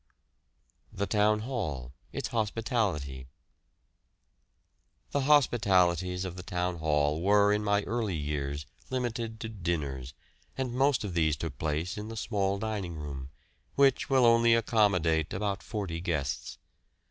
THE TOWN HALL ITS HOSPITALITY. The hospitalities of the Town Hall were in my early years limited to dinners, and most of these took place in the small dining room, which will only accommodate about forty guests.